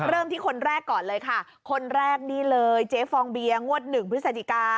เริ่มที่คนแรกก่อนเลยค่ะคนแรกนี่เลยเจ๊ฟองเบียร์งวดหนึ่งพฤศจิกา